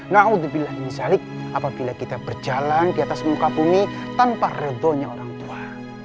nah untuk berjalan di atas muka bumi tanpa redha orang tua